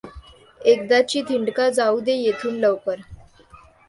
एकदाची धिंडका जाऊ दे येथून लवकर.